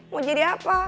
mau jadi apa